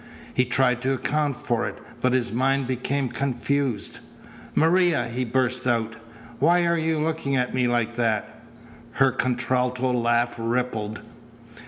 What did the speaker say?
He tried to account for it, but his mind became confused. "Maria!" he burst out. "Why are you looking at me like that?" Her contralto laugh rippled.